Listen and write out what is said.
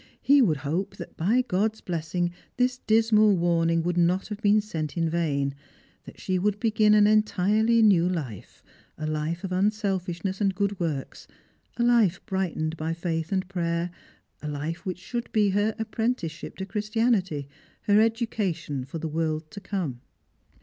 He would hope that by God's blessing this dismal warning would not have been sent in vain, that she would begin an entirely new life, a life of unselfishness and good works, a life brightened by faith and prayer, a life which should be her apprenticeship to Hhristianity, her educa tion for the world to come.